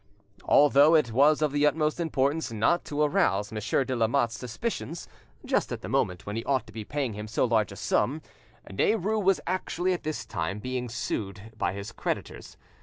Although it was of the utmost importance not to arouse Monsieur de Lamotte's suspicions just at the moment when he ought to be paying him so large a sum, Derues was actually at this time being sued by his creditors.